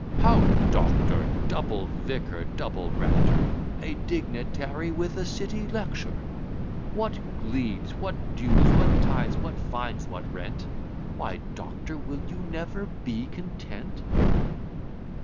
"How, doctor! double vicar! double rector! A dignitary! with a city lecture! What glebes what dues what tithes what fines what rent! Why, doctor! will you never be content?"